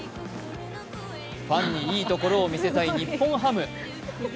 ファンにいいところをみせたい日本ハム。